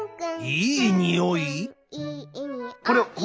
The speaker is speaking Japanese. いいにおい！？